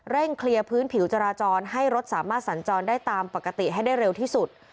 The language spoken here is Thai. เคลียร์พื้นผิวจราจรให้รถสามารถสัญจรได้ตามปกติให้ได้เร็วที่สุด